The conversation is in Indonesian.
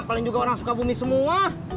paling juga orang sukabumi semua